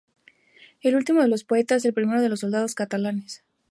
El último de los poetas, al primero de los soldados catalanes".